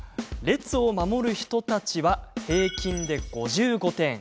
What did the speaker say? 列を守る人たちは平均５５点。